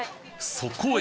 そこへ！